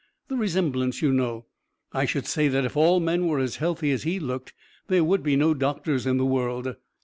The resemblance, you know. I should say that if all men were as healthy as he looked there would be no doctors in the world.